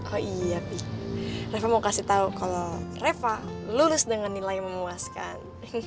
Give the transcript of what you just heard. oh iya reva mau kasih tau kalau reva lulus dengan nilai memuaskan